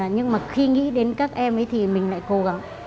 nhưng khi nghĩ đến các em thì mình lại cố gắng